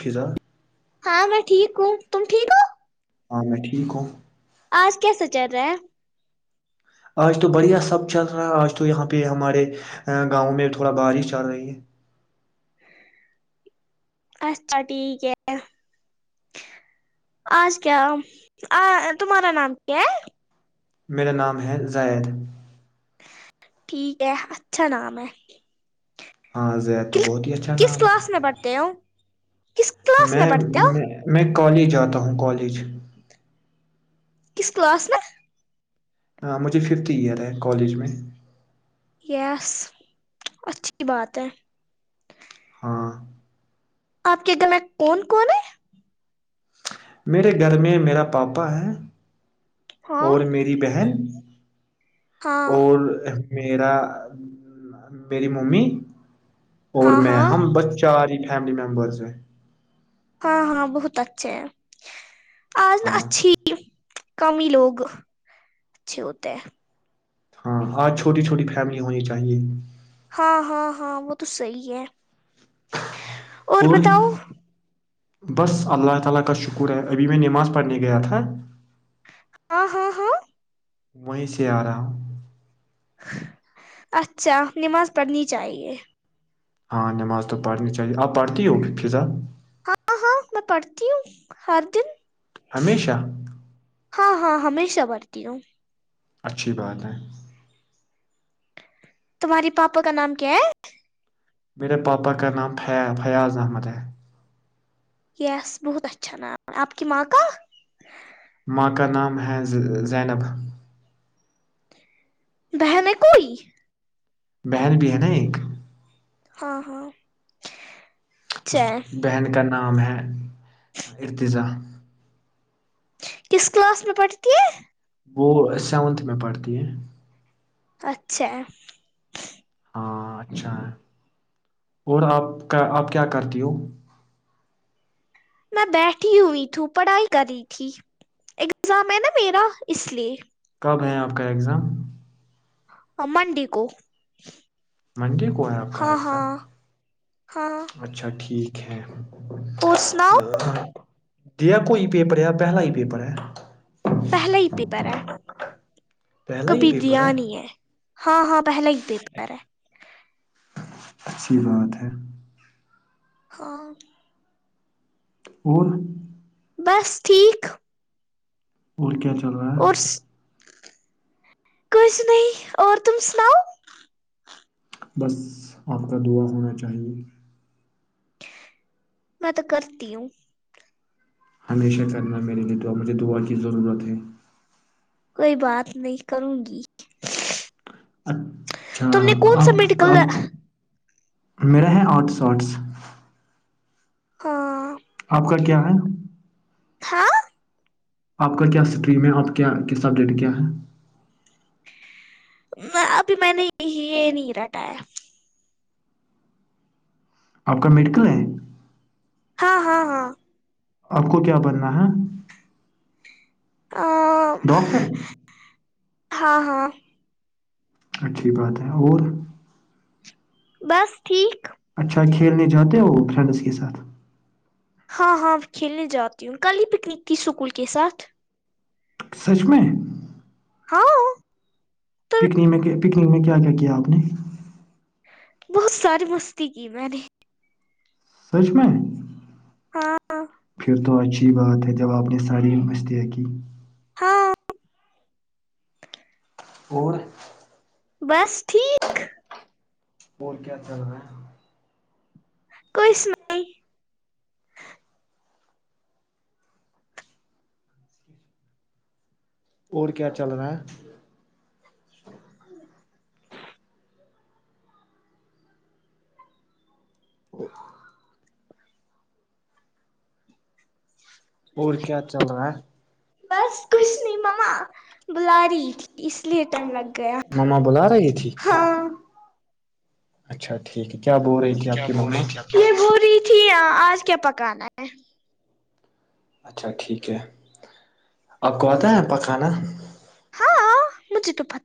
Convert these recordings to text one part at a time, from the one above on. خزا ہاں میں ٹھیک ہوں تم ٹھیک ہو ہاں میں ٹھیک ہوں آج کیسا چل رہا ہے آج تو بڑھیا سب چل رہا ہے آج تو یہاں پہ ہمارے گاؤں میں تھوڑا بارش چل رہی ہے اچھا ٹھیک ہے آج کیا تمہارا نام کیا ہے میرا نام ہے زید ٹھیک ہے اچھا نام ہے ہاں زیر تو بہت ہی اچھا کس نام کلاس میں ہے پڑھتے ہو کس کلاس میں پڑھتے ہو میں میں کالج جاتا ہوں کالج ہی [unintelligible] کس کلاس میں ہ مجھے ففتھ ایئر ہے کالج میں یس اچھی بات ہے ہاں [unintelligible] آپ کے گل کون کون ہے میرے گھر میں میرا پاپا ہے ہاں اور میری بہن ہاں اور ما میری ممی اور ہاں میں ہاں ہم بچہ فیملی ممبرس ہیں ہاں ہاں بہت اچھے آج ن ہاں اچھی کم ہی لوگ اچھے ہوتے ہیں ہاں آج چھوٹی چھوٹی فیملی ہونی چاہیے ہاں ہاں ہاں وہ تو صحی ہے اور بتاؤ بس اللہ تعالی کا شکر ہے ابھی میں نماز پڑھنے گیا تھا ہاں ہاں ہاں وہیں سے آ رہا ہ اچھا نماز پڑھنی چاہیے ہاں نماز تو پڑھنی چاہیے آپ پڑھتی ہوگ فضا ہاں ہاں میں پڑھتی ہوں ہر دن ہمیشہ ہاں ہاں ہمیشہ برتی ہوں اچھی بات ہے تمہاری پاپا کا نام کیا ہے میرے پاپا کا نام فیاض احمد ہے یس بہت اچھا نام آپ کی ماں کا ماکہ نام ہیں زینب بہ میں کوئی بہن بھی ہے نا ایک ہاں ہاں اچھا اس ہے بہن کا نام ہے ارتزا کس کلاس میں پڑھتی ہے وہ سیونتھ میں پڑھتی ہے اچھا ہاں اچھا ہے اور آپ کا آپ کیا کرتی ہو میں بیٹھی ہوئی تھی پڑھائی کر رہی تھی ایگزام ہے نا میرا اس لیے کب ہے آپ کا اگزام امنڈ کوو منڈے کو ہے آپ کا ایگزام ہاں اچھا ٹھیک ھھ اور سناؤ دیا کوئی پیپر یا پہلا ہی پیپر ہے پہلا ہی پیپر ہے پہلا ہی کبھی پیپر دیا نہیں ہے ہاں ہاں پہلا ہی پیپر ہے اچھیی بات ہے ہاں اور بس ٹھیک اور کیا چلاا کس نہیں اور تم سناؤ بس آپ کا دعا ہونا چاہیے میں تو کرتی ہوں ہمیشہ کرنا میرے لیے دعا مجھے دعا کی ضرورت ہے کوئی بات نہیں کروں گی اچھ تم نے کون سی نکلنا میرے ہیں آؤٹ ساٹس ہاں آپ کا کیا ہے ہاں آپ کا کیا اسٹریم ہے آپ کیا کیا سبجیکٹ کیا ہے؟ ابھی میں نے یہ نہیں رٹا ہے آپ کا میڈیکل ہے [unintelligible] [unintelligible] ڈاکٹر [inaudible] [unintelligible] [unintelligible] [unintelligible] [unintelligible] [unintelligible] [unintelligible] [inaudible] [unintelligible] [unintelligible] [unintelligible] [unintelligible] ہاں [inaudible] [unintelligible] [unintelligible] [unintelligible] [unintelligible] [unintelligible] [unintelligible] [unintelligible] ا [inaudible] اور کیا چل رہا ہے مما بلا رہی تھی [unintelligible] [unintelligible] تھی آپ کی مما [unintelligible] [unintelligible] [unintelligible] [unintelligible]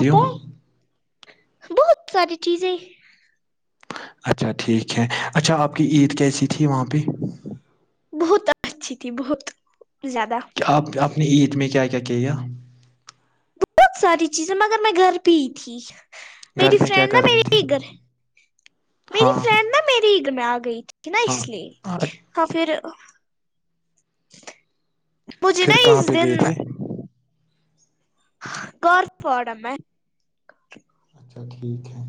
آتا ہے [unintelligible] [unintelligible] [unintelligible] [unintelligible] [unintelligible] گھر میں کیا کر رہی تھی [unintelligible] ہاں ہاں [unintelligible] پھر کہاں پہ گئے تھے [unintelligible] [unintelligible] [unintelligible] ٹھیک ہے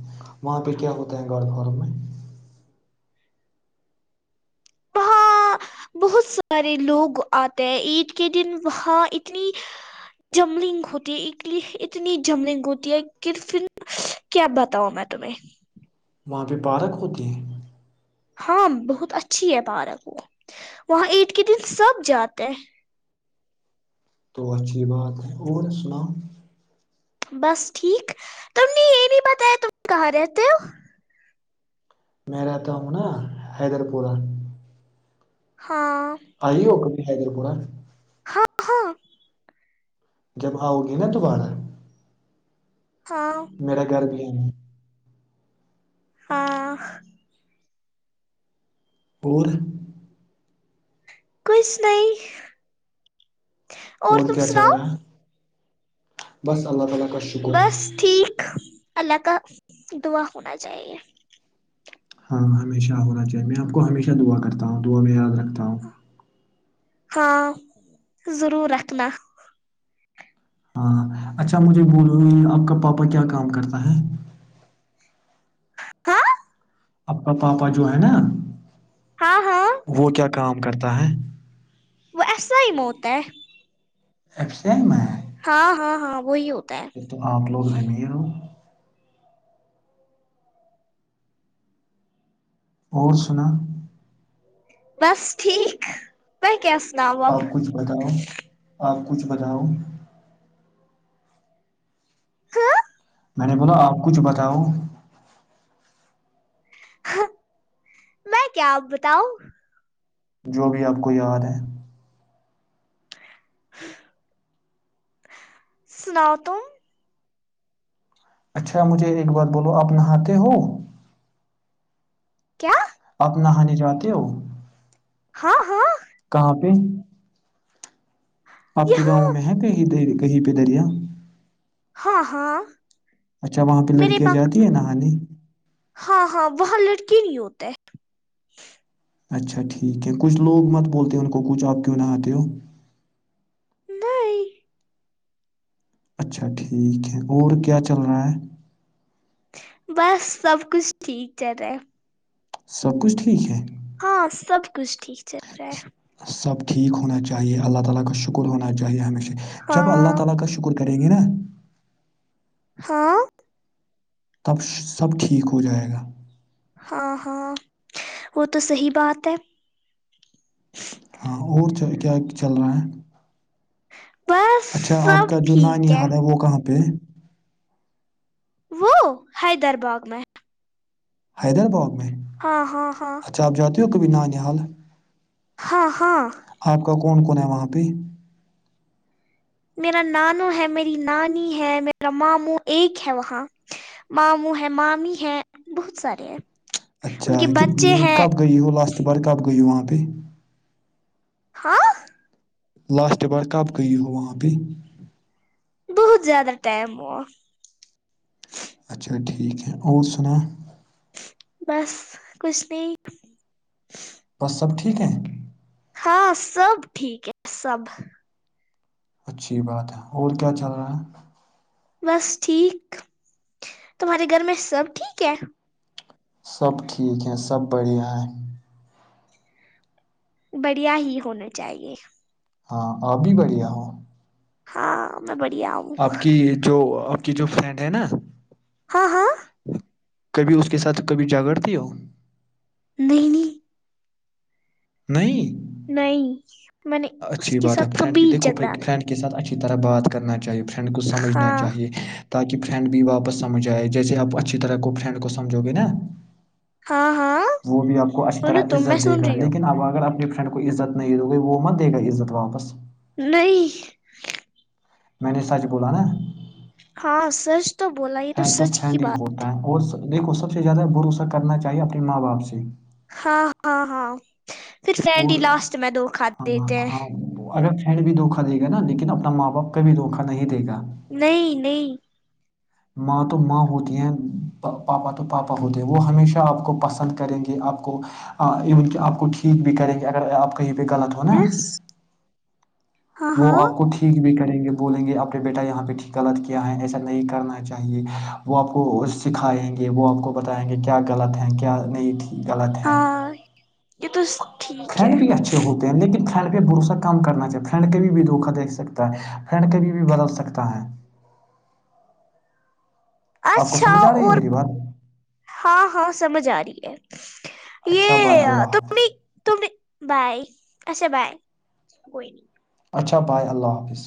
وہاں پہ کیا ہوتا ہے گڑ گھر میں وہاں بہت سارے لوگ آتے ہیں عید کے دن وہاں اتنی جملنگ ہوتی ہے اتنی جملنگ ہوتی ہے کہفھر کیا بتاؤ میں تمہیں وہاں پہ پارک ہوتے ہیں ہاں بہت اچھی ہے پارک وہ وہاں عید کے دن سب جاتے ہیں تو اچھی بات ہے اور سناؤ بس ٹھیک تم نے یہ نہیں بتایا تم کہاں رہتے ہو میں رہتا ہوں نا حیدر پورہ ہاں آئی ہوک خے پڑا ہاں ہاں جب آؤ گی نا تو آناا ہے ہاں میرا گھر بھی ہے ن ہاں اور کھ نہیں اور تم کیا چل سناؤ رہا ہے بس اللہ تعالی کا شکر بس ہے ٹھیک اللہ کا دعا ہونا چاہیے ہاں ہمیشہ ہونا چاہیے میں آپ کو ہمیشہ دعا کرتا ہوں دعا میں یاد رکھتا ہوں ہاں ضرور رکھنا ہاں اچھا مجھے بولو آپ کا پاپا کیا کام کرتا ہے ہاں اپ کا پاپا جو ہے نا ہاں ہاں وہ کیا کام کرتا ہے وہ ایسا ہی موت ہے ایکس میں ہے ہاں ہاں ہاں وہ ہو پھر تو آپ لوگ امیر ہو اور سنا بس ٹھیک پ کیا سناؤں اب آپ کچھ بتاؤ آپ کچھ بتاؤ ہ [unintelligible] میں نے بولا آپ کچھ بتاؤ میں کیا آپ بتاؤں جو بھی آپ کو یاد ہے سناؤ تم اچھا مجھے ایک بار بولو آپ نہاتے ہو کیا آپ نہانے جاہے ہو ہاں ہاں ج یہاں کہیں در- کہیں پہ دریا ہاں ہاں اچھا وہاں پہ میرے لڑکیاں پاس جاتی ہیں نہ ہانی ہاں ہاں وہاں لڑکی نہیں ہوتا ہے اچھا ٹھیک ہے کچھ لوگ مت بولتے ہیں ان کو کچھ آپ کیوں نہ آتے ہو نہیں اچھا ٹھیک ہے اور کیا چل رہا ہے بس سب کچھ ٹھیک چ رہا سب کچھ ٹھیک ہے ہاں سب کچھ ٹھیک چل رہا ہے سب ٹھیک ہونا چاہیے اللہ تعالی کا شکر ہونا جب اللہ ہاں تعالی کا شکر کریں گے نا ہاں تب سب ٹھیک ہو جائے گا ہاں ہاں وہ تو صحیح بات ہے ہ [unintelligible] بس اچھا آپ سب کا جو ٹھیک نانی حال ہے وہ کہاں پہ وہ حیدرباغ میں حیدرباع ہاں ہاں ہاں ہو کبھی نانی حال ہاں ہاں آپ کا کون کون ہے وہاں پہ میرا نانو ہے میری نانی ہے میرا ماموں ایک ہے وہاں ماموں ہے مامی ہے بہت سارے ہیں ان اچھا کے بچے کتنی ہیں کب گئی بار کب گئی ہو وہاں پہ ہاں لاسٹ بار کب گئی ہو وہاں بھیہ بہت زیادہ ٹائم ہوا اچھا ٹھیک ہے اور سنا بس کچھ نہیں بس سب ٹھیک ہیں ہاں سب ٹھیک ہے سب اچھی بات ہے اور کیا چل رہا ہے بس ٹھیک تمہارے گھر میں سب ٹھیک ہے سب ٹھیک ہیں سب بڑھیا ہیں بڑھیا ہی ہونا چاہیے ہاں آپ بھی بڑھیا ہو ہاں بڑھیا ہوں آپ کی جو کی جو فرنڑ ہیں نا ہاں ہاں کبھی اس کے ساتھ کبھی جھگڑتی ہو نہیں نہیں نہیں نہیں میں نے اس اچھی کے بات ہے ساتھ فرینڈ کی کبھی دیکھو جگڑا نہیں فرینڈ کے ساتھ اچھی طرح بات کرنا چاہیے فرینڈ کو سمجھنا ہاں چاہیے تاکہ فرینڈ بھی واپس سمجھ آئے جیسے آپ اچھی طرح کو فرینڈ کو سمجھو گے نا ہاں ہاں وہ بھی آپ کو اچھی بولو طرح تم میں عزت دے سن گا رہی ہو لیکن اب اگر آپ نے فرنڈکو عزت نہیں دوگی وہ مت دے گا عزت واپس نہیں میں نے سچ بولا نا ہاں سچ تو بولا یہ تو سچ کی بات ہے دیکو سب سے زیادہ بھروسا کرنا چاہیے اپنے ماں باپ سے ہاں ہاں ہاں پھر فنڈی اور لاسٹ میں دو ہاں کھاتے تھے ہاں اگر فنڈ بھی دوکا دے گا نا لیکن اپنا ماں باپ کا بھی دھوکا دے گا نہیں نہیں ماں تو ماں ہوتی ہیں پاپا تو پاپا ہوتے ہیں وہ ہمیشہ آپ کو پسند کریں گے آپ کو ایون کہ آپ کو ٹھیک ٹھیک بھی کریں گے اگر آپ کہیں پہ غلط ہو نا یس ہاں وہ ہاں آپ کو ٹھیک بھی کر کریں گے بولیں گے اپنے بیٹا یہاں بیہ ٹھیک غلط کیا ہے ایسا نہیں کرنا چاہیے وہ آپ کو سکھائیں گے وہ آپ کو بتائیں گے کیا غلط ہیں کیا نہیں تھی ہاں یہ تو ٹھیک ہے فن بھی اچھے ہوتے ہیں لیکن ف فرینڈ پہ بھروسا کام کرنا چاہیے فرینڈ کا بھی بھی دھوکا دیکھ سکتا ہے فرینڈ ک بھی بھی بدل سکتا ہے آپ کو اچھا سمجھ آ رہی ہے اور میری بات ہاں ہاں سمجھ آ رہی ہے اچھا بھائی یہ اللہ ت حافظ ت بائی اچھا بائی کوئی نہیں اچھا پائے اللہ حافظ